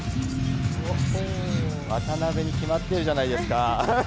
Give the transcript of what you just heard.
渡邊に決まってるじゃないですか。